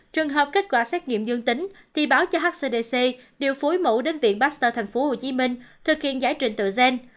trường hợp kết quả xét nghiệm dương tính thì báo cho hcdc điều phối mẫu đến viện pasteur tp hcm thực hiện giải trình tự gen